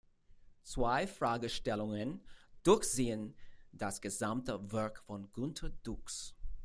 Zwei Fragestellungen durchziehen das gesamte Werk von Günter Dux.